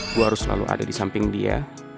gue harus selalu ada disamping dia